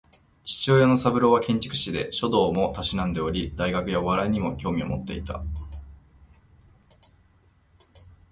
父親の三郎は建築士で、書道も嗜んでおり文学やお笑いにも興味を持っていた